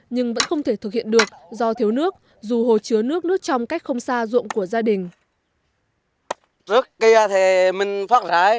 nhưng vẫn không thể thực hiện được do thiếu nước dù hồ chứa nước nước trong cách không xa ruộng của gia đình